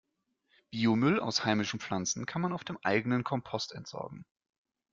Biomüll aus heimischen Pflanzen kann man auf dem eigenen Kompost entsorgen.